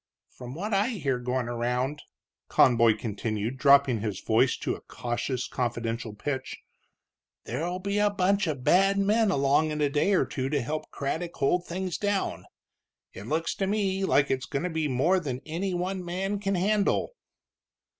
"From what I hear goin' around," Conboy continued, dropping his voice to a cautious, confidential pitch, "there'll be a bunch of bad men along in a day or two to help Craddock hold things down. It looks to me like it's goin' to be more than any one man can handle."